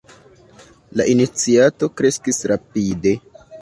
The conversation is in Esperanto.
La iniciato kreskis rapide.